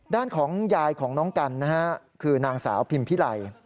ด้านของยายของน้องกันนะฮะคือนางสาวพิมพิไล